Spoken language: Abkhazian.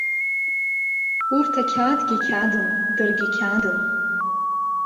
Урҭ, ақьаадгьы қьаадын, даргьы қьаадын.